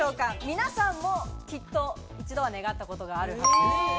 皆さんも、きっと一度は願ったことがある。